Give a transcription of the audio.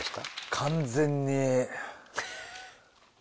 完全に。